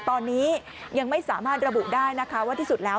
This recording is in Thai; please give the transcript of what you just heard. ตอนนี้ยังไม่สามารถระบุได้นะคะว่าที่สุดแล้ว